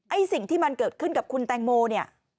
สิ่งที่มันเกิดขึ้นกับคุณแตงโมเนี่ย